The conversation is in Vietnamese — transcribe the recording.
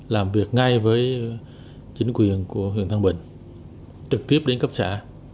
làm việc ngay với chính quyền của huyện thăng bình trực tiếp đến cấp xã